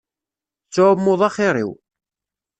Tettɛummuḍ axiṛ-iw.